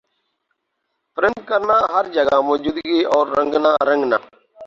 پرند کرنا ہَر جگہ موجودگی اور رنگنا رنگنا